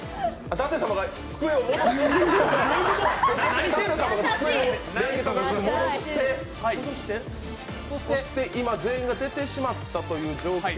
舘様が机を戻してそして今全員が出てしまったという状況。